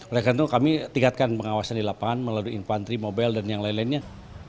oleh karena itu kami tingkatkan pengawasan di lapangan melalui infanteri mobile dan yang lain lainnya